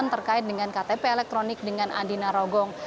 terkait dengan ktp elektronik dengan andi narogong